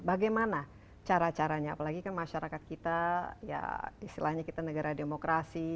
bagaimana cara caranya apalagi kan masyarakat kita ya istilahnya kita negara demokrasi